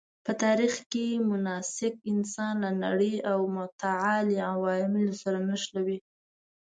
په تاریخ کې مناسک انسان له نړۍ او متعالي عوالمو سره نښلوي.